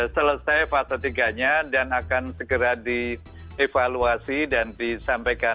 selesai fase tiga nya dan akan segera dievaluasi dan disampaikan